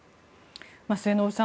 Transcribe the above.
末延さん